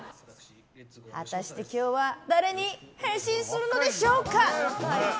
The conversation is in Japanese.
果たして今日は誰に変身するのでしょうか。